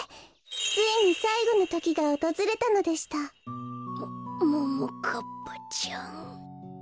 ついにさいごのときがおとずれたのでしたもももかっぱちゃん。